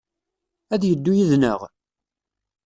Ad d-yeddu yid-neɣ?